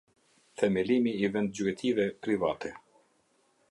Themelimi i vendgjuetive private.